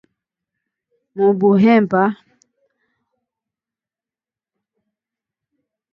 Mu buhemba banaowanaka na ma mbuzi njo mali ya kuleta